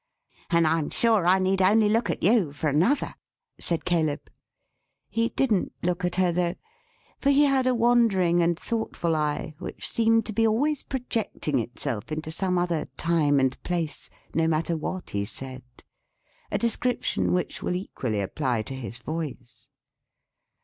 "And I'm sure I need only look at you for another," said Caleb. He didn't look at her though; for he had a wandering and thoughtful eye which seemed to be always projecting itself into some other time and place, no matter what he said; a description which will equally apply to his voice.